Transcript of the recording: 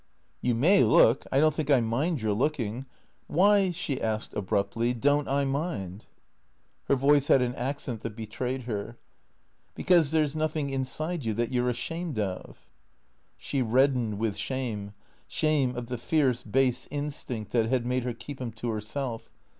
" You may look. I don't think I mind your looking. Why," she asked abruptly, " don't I mind ?" Her voice had an accent that betrayed her. " Because there 's nothing inside you that you 're ashamed of." She reddened with shame; shame of the fierce, base instinct that had made her keep him to herself.